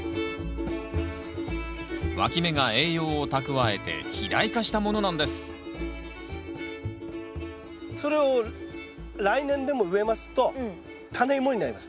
わき芽が栄養を蓄えて肥大化したものなんですそれを来年でも植えますとタネイモになります。